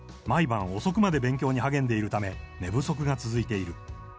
毎晩、遅くまで勉強に励んでいるため、寝不足が続いている。